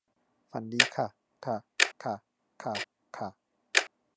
ฝันดีค่ะค่ะ ค่ะ ค่ะ ค่ะ